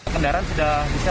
kendaraan sudah bisa